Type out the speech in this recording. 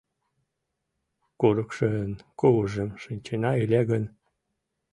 Курыкшын кугужым шинчена ыле гын